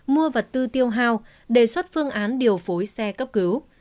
mua vật tư tiêu hao đề xuất phương án điều phối xe cấp cứu